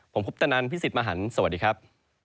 ผมพุธนันทร์พี่สิทธิ์มหันธ์สวัสดีครับ